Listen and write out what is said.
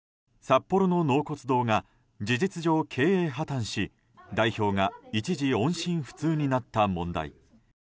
札幌の納骨堂が事実上、経営破綻し代表が一時音信不通になった問題。